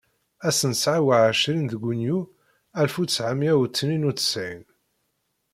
Ass n tesεa u εecrin deg yunyu alef u tesεemya u tnin u tesεin.